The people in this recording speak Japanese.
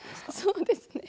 そうですね。